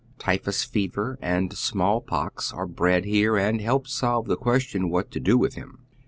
Typhus fever and Bmall pox are bred liere, and help solve the question what to do with him.